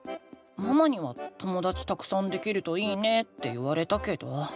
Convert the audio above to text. ママには「ともだちたくさんできるといいね」って言われたけど。